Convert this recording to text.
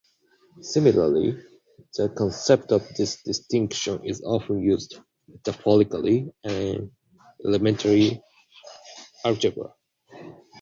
Similarly, the concept of this distinction is often used metaphorically in elementary algebra.